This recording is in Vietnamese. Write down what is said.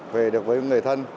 về được với người thân